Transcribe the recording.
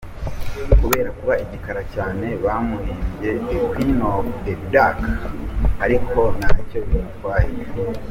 Kubera kuba igikara cyane bamuhimbye ” The Queen of the Dark” ariko ntacyo bimutwaye.